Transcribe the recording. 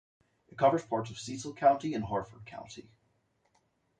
It covers parts of Cecil County and Harford County.